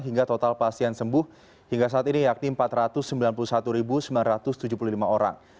hingga total pasien sembuh hingga saat ini yakni empat ratus sembilan puluh satu sembilan ratus tujuh puluh lima orang